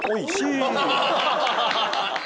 ハハハハハ！